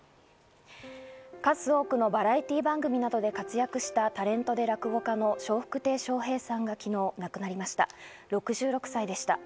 数多くのバラエティー番組などで活躍したタレントで落語家の笑福亭笑瓶さんが昨日亡くなりました、６６歳でした。